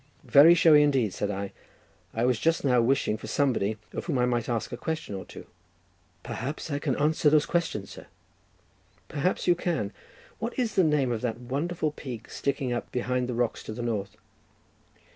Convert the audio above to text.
"Very showy, indeed," said I; "I was just now wishing for somebody, of whom I might ask a question or two." "Perhaps I can answer those questions, sir?" "Perhaps you can. What is the name of that wonderful peak sticking up behind the rocks to the north?"